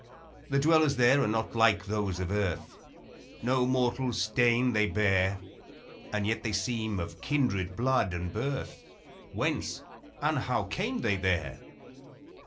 The dwellers there are not like those of earth, — No mortal stain they bear, — And yet they seem of kindred blood and birth; Whence and how came they there?